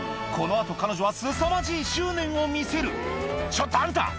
この後彼女はすさまじい執念を見せる「ちょっとあんた！